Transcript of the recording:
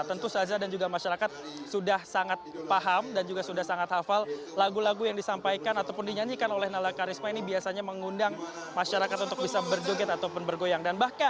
tentu saja dan juga masyarakat sudah sangat paham dan juga sudah sangat hafal lagu lagu yang disampaikan ataupun dinyanyikan oleh nala karisma ini biasanya mengundang masyarakat untuk bisa berjoget ataupun bergoyang